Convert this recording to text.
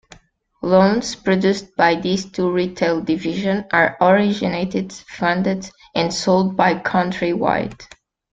Loans produced by these two retail division are originated, funded, and sold by Countrywide.